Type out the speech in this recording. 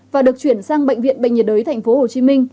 và được chuyển sang bệnh viện bệnh nhiệt đới tp hcm